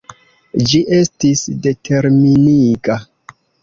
Ĝi estis determiniga.